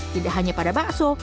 tidak hanya pada bakso